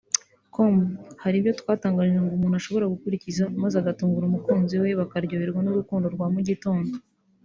com hari ibyo rwatangaje ngo umuntu ashobora gukurikiza maze agatungura umukunzi we bakaryoherwa n’urukundo rwa mu gitondo